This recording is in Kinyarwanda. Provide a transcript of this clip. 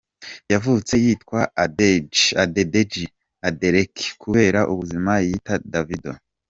Yavutse yitwa Adedeji Adeleke kubera ubuzima yiyita Davido.